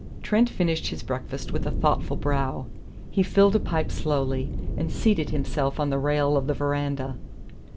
Trent finished his breakfast with a thoughtful brow. He filled a pipe slowly, and seated himself on the rail of the veranda.